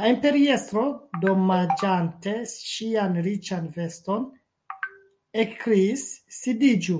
La imperiestro, domaĝante ŝian riĉan veston, ekkriis: "sidiĝu! »